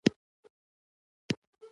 چا کې چې دغسې بلندظرفي وي.